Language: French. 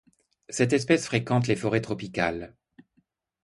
Cette espèce fréquente les forêts tropicales.